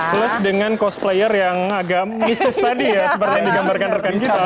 plus dengan cosplayer yang agak misis tadi ya seperti yang digambarkan rekan kita